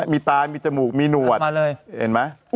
มีตามีจมูกมีหนวดเห็นไหม